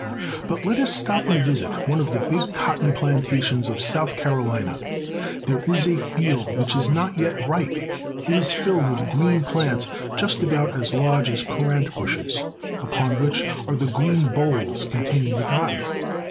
But let us stop and visit one of the big cotton plantations of South Carolina. There is a field which is not yet ripe. It is filled with green plants just about as large as currant Picking Cotton. bushes, upon which are the green bolls containing the cotton.